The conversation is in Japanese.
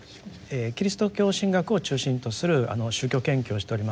キリスト教神学を中心とする宗教研究をしております